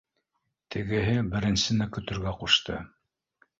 Тегеһе беренсене көтөргә ҡушты